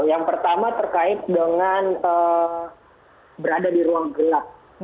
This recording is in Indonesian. yang pertama terkait dengan berada di ruang gelap